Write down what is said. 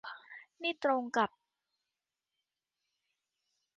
นี่ตรงกลับไปยังบ้าน